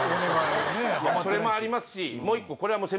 それもありますしもう１個これはもう。